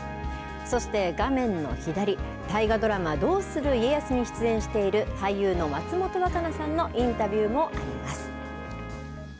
そして画面の左、大河ドラマ、どうする家康に出演している、俳優の松本若菜さんのインタビューもあります。